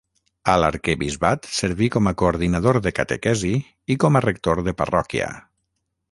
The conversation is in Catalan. A l'arquebisbat, serví com a coordinador de catequesi i com a rector de parròquia.